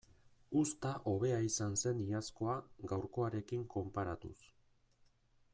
Uzta hobea izan zen iazkoa gaurkoarekin konparatuz.